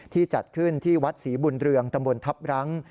จัดขึ้นที่วัดศรีบุญเรืองตำบลทัพรั้ง